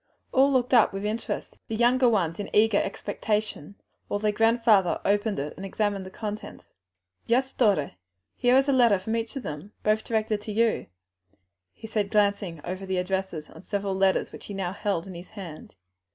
All looked on with interest, the younger ones in eager expectation, while their grandfather opened it and examined the contents. "Yes, daughter, there is a letter from each of them, both directed to you," he said, glancing over the addresses on several letters which he now held in his hand.